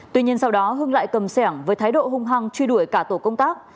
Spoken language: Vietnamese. tuy nhiên sau đó hưng lại cầm sẻng với thái độ hung hăng truy đuổi cả tổ công tác